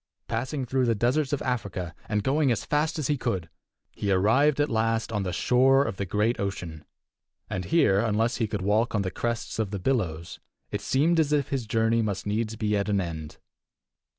Passing through the deserts of Africa, and going as fast as he could, he arrived at last on the shore of the great ocean. And here, unless he could walk on the crests of the billows, it seemed as if his journey must needs be at an end.